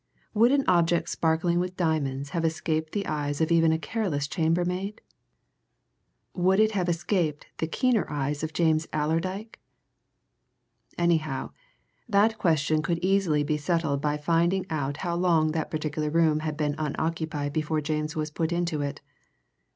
Would an object sparkling with diamonds have escaped the eyes of even a careless chambermaid? Would it have escaped the keener eyes of James Allerdyke? Anyhow, that question could easily be settled by finding out how long that particular room had been unoccupied before James was put into it.